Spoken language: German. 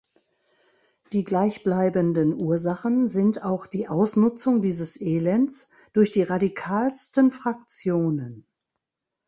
Die gleichbleibenden Ursachen sind auch die Ausnutzung dieses Elends durch die radikalsten Fraktionen.